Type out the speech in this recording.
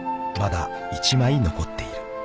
まだ１枚残っている］